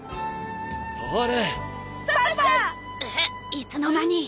いつの間に。